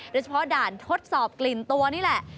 ด่านทดสอบกลิ่นตัวนี่แหละ